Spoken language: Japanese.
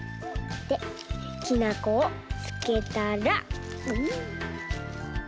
できなこをつけたら」。